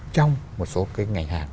trong một số cái ngày hàng